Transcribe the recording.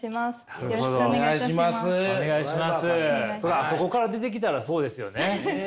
あそこから出てきたらそうですよね。